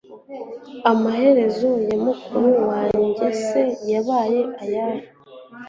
amaherezo ya mukuru wanjye se yabaye ayahe